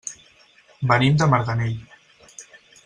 Venim de Marganell.